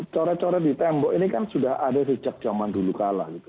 coret coret di tembok ini kan sudah ada sejak zaman dulu kalah gitu